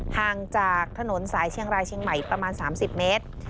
ห่างจากถนนสายเชียงรายเชียงใหม่ประมาณ๓๐เมตร